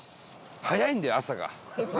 早いんだよ朝が。